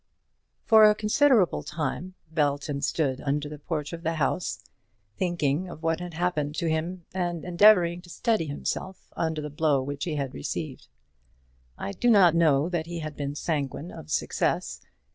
For a considerable time Belton stood under the porch of the house, thinking of what had happened to him, and endeavouring to steady himself under the blow which he had received. I do not know that he had been sanguine of success.